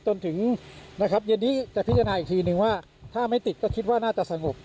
จนถึงนะครับเย็นนี้จะพิจารณาอีกทีนึงว่าถ้าไม่ติดก็คิดว่าน่าจะสงบ